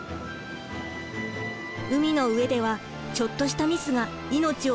海の上ではちょっとしたミスが命を奪うこともある。